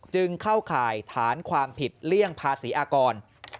จึงเข้าข่ายฐานความผิดเลี่ยงภาษีอากร